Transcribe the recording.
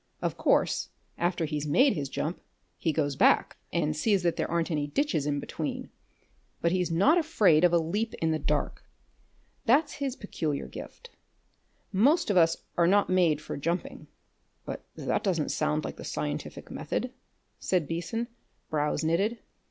Of course, after he's made his jump he goes back and sees that there aren't any ditches in between, but he's not afraid of a leap in the dark. That's his own peculiar gift. Most of us are not made for jumping." "But that doesn't sound like the scientific method," said Beason, brows knitted.